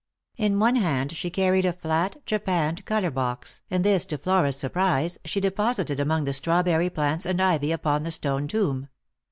In one hand she carried a flat japanned colour box, and this, to Flora's sur prise, she deposited among the strawberry plants and ivy upon the stone tomb.